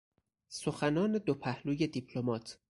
سخنان دوپهلوی دیپلمات